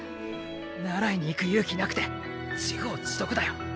習いに行く勇気なくて自業自得だよ。